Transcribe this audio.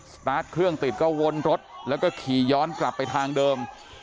สตาร์ทเครื่องติดก็วนรถแล้วก็ขี่ย้อนกลับไปทางเดิม